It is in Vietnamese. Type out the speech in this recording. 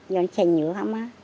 do xe nhựa không á